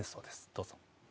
どうぞ。